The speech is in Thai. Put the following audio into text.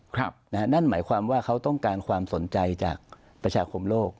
นั่นหมายความว่าเขาต้องการความสนใจจากประชาคมโลก